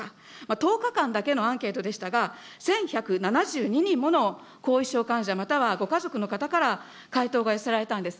１０日間だけのアンケートでしたが、１１７２人もの後遺症患者、またはご家族の方から回答が寄せられたんです。